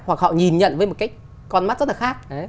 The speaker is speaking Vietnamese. hoặc họ nhìn nhận với một cái con mắt rất là khác